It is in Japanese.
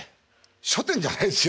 書店じゃないですよ。